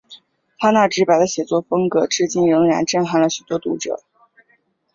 他那直白的写作风格至今仍然震撼了很多读者。